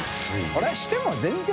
これしても全然。